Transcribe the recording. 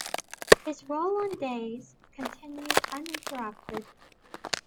His role on "Days" continued uninterrupted.